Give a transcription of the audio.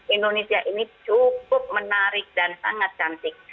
indonesia ini cukup menarik dan sangat cantik